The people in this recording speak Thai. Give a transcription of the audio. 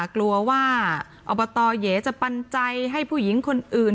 กลัวว่าอบตเหยจะปันใจให้ผู้หญิงคนอื่น